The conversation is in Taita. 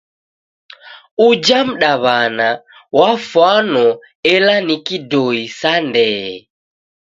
Uja mdaw'ana wafwano ela ni kidoi sa ndee.